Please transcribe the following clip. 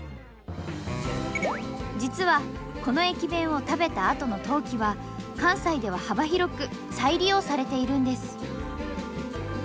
実はこの駅弁を食べたあとの陶器は関西では幅広く再利用されているんです。